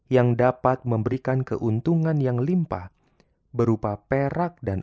yang dapat memberikan keuntungan yang berharga